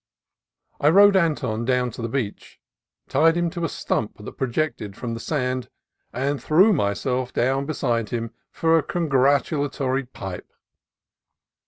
I rode Anton down to the beach, tied him to a stump that projected from the sand, and threw myself down beside him for a congratu latory pipe.